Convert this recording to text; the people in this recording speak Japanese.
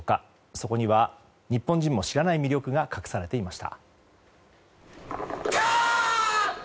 そこには日本人も知らない魅力が隠されていました。